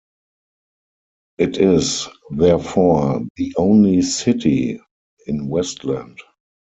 It is therefore the only "city" in Westland.